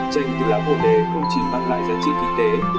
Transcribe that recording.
trênh từ lá bồ đề không chỉ bằng lại giá trị kinh tế